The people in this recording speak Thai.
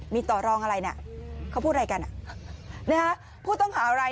มีต่อรองอะไรน่ะเขาพูดอะไรกันอ่ะนะฮะผู้ต้องหาอะไร